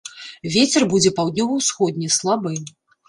Вецер будзе паўднёва-ўсходні, слабы.